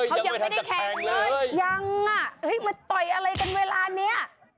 เขายังไม่ได้แข่งเลยยังอ่ะเฮ้ยมาต่อยอะไรกันเวลานี้